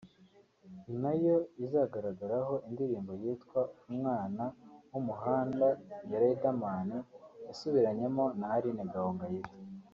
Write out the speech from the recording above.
ni nayo izagaragaraho indirimbo yitwa ‘Umwana w’umuhanda’ [ya Riderman] yasubiranyemo na Aline Gahongayire